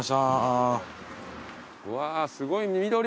うわーすごい。